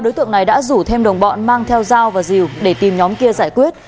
đối tượng này đã rủ thêm đồng bọn mang theo dao và diều để tìm nhóm kia giải quyết